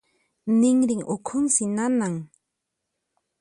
Ninrin ukhunsi nanan.